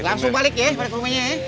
langsung balik ya balik rumahnya ya